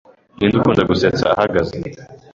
Ninde ukunda gusetsa uhagaze?